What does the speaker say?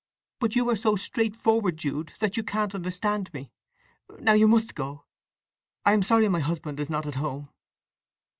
But you are so straightforward, Jude, that you can't understand me! … Now you must go. I am sorry my husband is not at home."